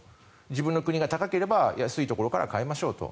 自分の国が高ければ安い国から買いましょうと。